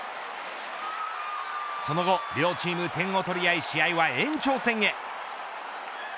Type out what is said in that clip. その後、両チーム点を取り合い試合は延長戦へ。